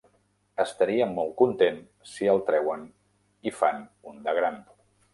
Estaria molt content si el treuen i fan un de gran".